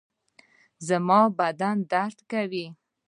زما بدن درد کوي